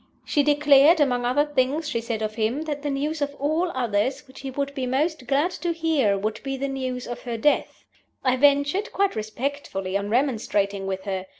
She declared, among other things she said of him, that the news of all others which he would be most glad to hear would be the news of her death. I ventured, quite respectfully, on remonstrating with her.